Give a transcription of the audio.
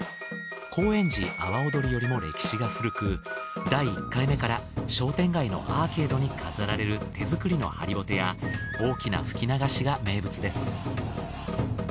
高円寺阿波おどりよりも歴史が古く第１回目から商店街のアーケードに飾られる手作りのハリボテや大きな吹き流しが名物です。